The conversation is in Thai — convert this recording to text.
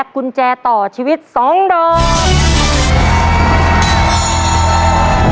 กุญแจต่อชีวิต๒ดอก